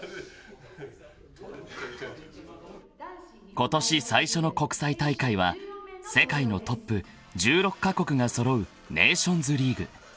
［今年最初の国際大会は世界のトップ１６カ国が揃うネーションズリーグ］